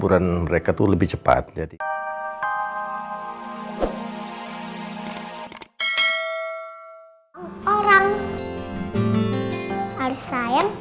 udah kering udah cantik ya